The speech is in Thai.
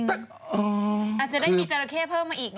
อาจจะได้มีจราเข้เพิ่มมาอีก